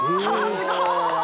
すごい